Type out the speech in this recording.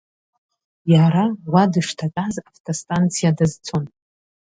Иара, уа дышҭатәаз, автостанциа дазцон.